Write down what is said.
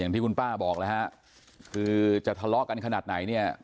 ที่คุณป้าบอกแล้วฮะคือจะทะเลาะกันขนาดไหนเนี่ย